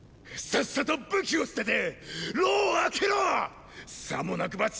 さっさと武器を捨てて牢を開けろっ！！